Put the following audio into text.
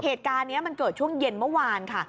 เหตุการณ์นี้มันเกิดช่วงเย็นเมื่อวานค่ะ